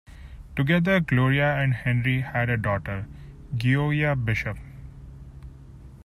Together Gloria and Henry had a daughter, Gioia Bishop.